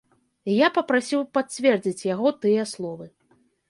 І я папрасіў пацвердзіць яго тыя словы.